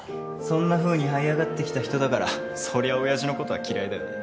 そんなふうにはい上がってきた人だからそりゃあ親父のことは嫌いだよね。